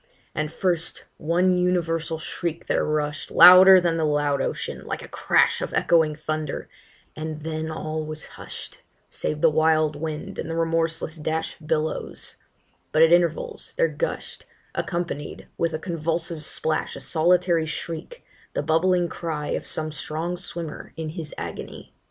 And first one universal shriek there rush'd, Louder than the loud ocean, like a crash Of echoing thunder; and then all was hush'd, Save the wild wind and the remorseless dash Of billows; but at intervals there gush'd, Accompanied with a convulsive splash, A solitary shriek, the bubbling cry Of some strong swimmer in his agony.